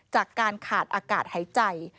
จากการขาดอากาศหายใจ